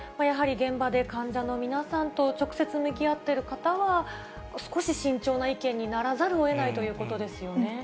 やはり現場で患者の皆さんと直接向き合っている方は、少し慎重な意見にならざるをえないということですよね。